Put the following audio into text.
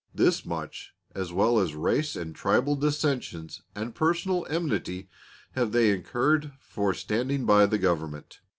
This much, as well as race and tribal dissensions and personal enmity, have they incurred for standing by the Government.